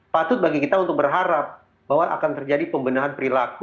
patut bagi kita untuk berharap bahwa akan terjadi pembenahan perilaku